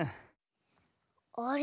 あれ？